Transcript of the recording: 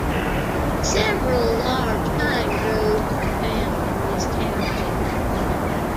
Several large Pine Groves are found in this Township.